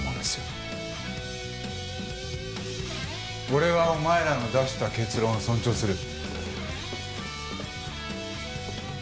俺はお前らの出した結論を尊重する。